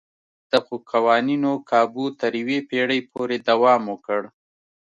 دغو قوانینو کابو تر یوې پېړۍ پورې دوام وکړ.